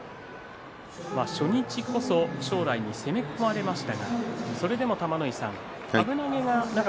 初日こそ正代に攻め込まれましたがそれでも玉ノ井さん